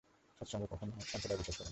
সৎসঙ্গ কখনো সম্প্রদায়ে বিশ্বাস করে না।